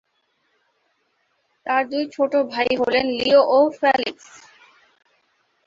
তার দুই ছোট ভাই হলেন লিও ও ফেলিক্স।